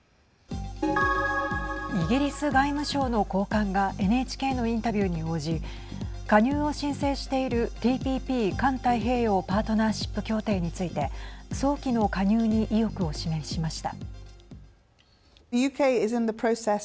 イギリス外務省の高官がＮＨＫのインタビューに応じ加入を申請しているＴＰＰ＝環太平洋パートナーシップ協定について早期の加入に意欲を示しました。